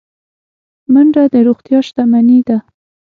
منډه د روغتیا شتمني ده